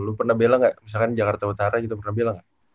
lu pernah bela nggak misalkan jakarta utara gitu pernah bilang nggak